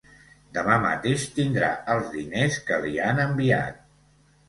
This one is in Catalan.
Demà mateix tindrà els diners que li han enviat.